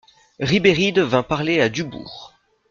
Ribéride vint parler à Dubourg.